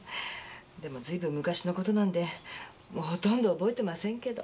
でも随分昔の事なんでほとんど覚えてませんけど。